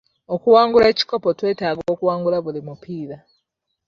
Okuwangula ekikopo twetaaga okuwangula buli mupiira.